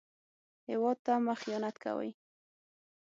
هېواد ته مه خيانت کوئ